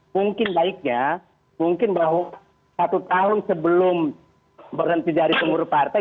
mungkin baiknya mungkin bahwa satu tahun sebelum berhenti dari pengurus partai